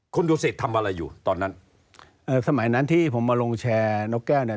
คุณดูสิตทำอะไรอยู่ตอนนั้นเอ่อสมัยนั้นที่ผมมาลงแชร์นกแก้วเนี่ย